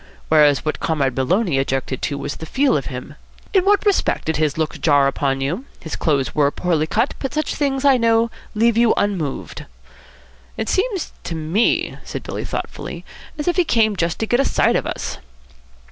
"Whereas what Comrade Maloney objected to was the feel of him. In what respect did his look jar upon you? His clothes were poorly cut, but such things, I know, leave you unmoved." "It seems to me," said Billy thoughtfully, "as if he came just to get a sight of us."